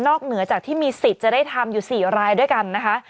เหนือจากที่มีสิทธิ์จะได้ทำอยู่๔รายด้วยกันนะคะ